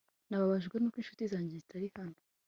Nababajwe nuko inshuti zanjye zitari hano